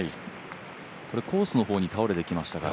これコースの方に倒れてきましたから。